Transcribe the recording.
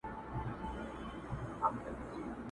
کعبه د ابراهیم راڅخه ورکه سوه خاونده،